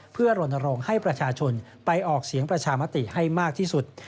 เพื่อรณรงค์ให้ประชาชนไปออกเสียงประชามติให้มากที่สุด